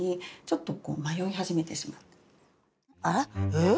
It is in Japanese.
えっ？